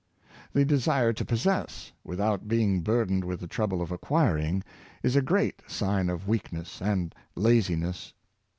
The desire to possess, without being burdened with the trouble of acquiring, is a great sign of weakness and laziness.